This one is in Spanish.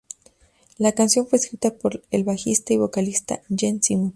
La canción fue escrita por el bajista y vocalista Gene Simmons.